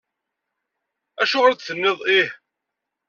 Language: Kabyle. Acuɣer i d-tenniḍ ih?